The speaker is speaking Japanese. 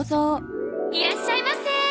いらっしゃいませ。